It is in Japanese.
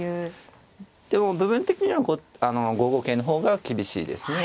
部分的には５五桂の方が厳しいですね。